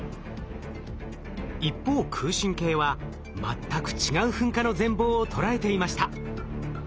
一方空振計は全く違う噴火の全貌を捉えていました。